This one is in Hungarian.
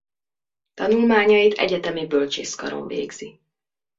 Tanulmányait egyetemi bölcsész karon végzi.